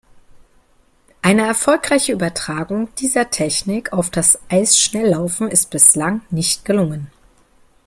Eine erfolgreiche Übertragung dieser Technik auf das Eisschnelllaufen ist bislang nicht gelungen.